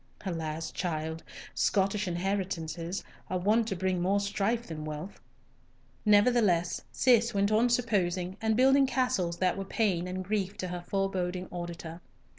"Alas, child! Scottish inheritances are wont to bring more strife than wealth." Nevertheless, Cis went on supposing and building castles that were pain and grief to her foreboding auditor.